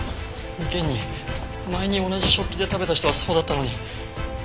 現に前に同じ食器で食べた人はそうだったのに。